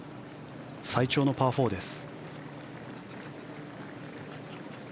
最長のパー４です。